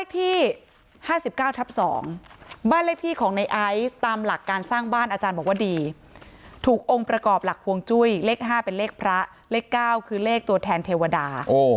ที่๕๙ทับ๒บ้านเลขที่ของในไอซ์ตามหลักการสร้างบ้านอาจารย์บอกว่าดีถูกองค์ประกอบหลักฮวงจุ้ยเลข๕เป็นเลขพระเลข๙คือเลขตัวแทนเทวดา